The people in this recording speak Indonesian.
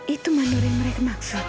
itu mandor yang mereka maksud